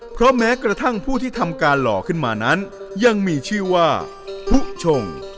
เพราะแม้กระทั่งผู้ที่ทำการหล่อขึ้นมานั้นยังมีชื่อว่าผู้ชง